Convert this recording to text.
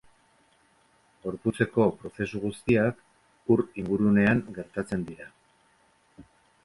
Gorputzeko prozesu guztiak ur ingurunean gertatzen dira.